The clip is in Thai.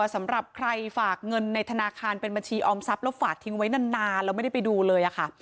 สำหรับใครฝากเงินในธนาคารเป็นบัญชีออมทรัพย์แล้วฝากทิ้งไว้นานแล้วไม่ได้ไปดูเลยค่ะ